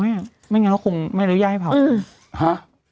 ไม่อย่างไรเขาคงไม่เรียนรู้ใยให้เผาห้ะ